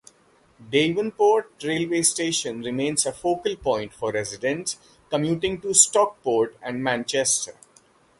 Davenport railway station remains a focal point for residents commuting to Stockport and Manchester.